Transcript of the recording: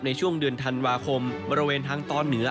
ในช่วงเดือนธันวาคมบริเวณทางตอนเหนือ